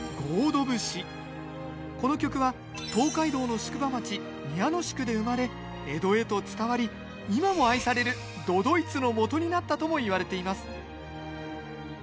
この曲は東海道の宿場町宮の宿で生まれ江戸へと伝わり今も愛される「都々逸」のもとになったともいわれています。